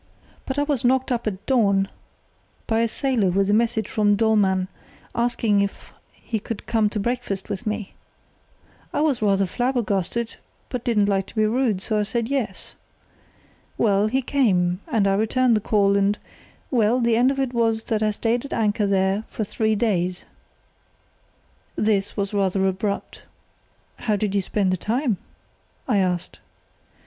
"But I was knocked up at dawn by a sailor with a message from Dollmann asking if he could come to breakfast with me. I was rather flabbergasted, but didn't like to be rude, so I said, 'Yes.' Well, he came, and I returned the call—and—well, the end of it was that I stayed at anchor there for three days." This was rather abrupt. "How did you spend the time?" I asked.